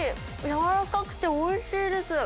軟らかくておいしいです。